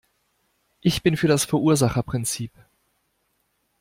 Ich bin für das Verursacherprinzip.